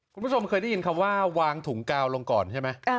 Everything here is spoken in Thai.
คุณผู้ชมเคยได้ยินคำว่าวางถุงกาวลงก่อนใช่ไหม